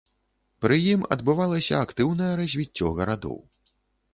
Пры ім адбывалася актыўнае развіццё гарадоў.